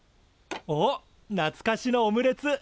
おっなつかしのオムレツ！